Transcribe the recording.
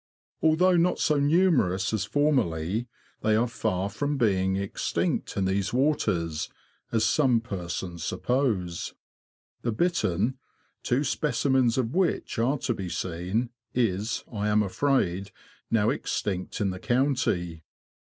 Although not so numerous as formerly, they are far from being extinct in these waters, as some persons suppose. The bittern — two specimens of which are to be seen — is, I am afraid, now extinct in the county.